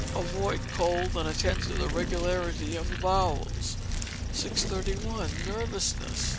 Avoid cold and attend to the regularity of the bowels. 631. Nervousness.